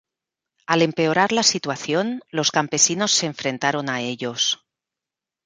Al empeorar la situación, los campesinos se enfrentaron a ellos.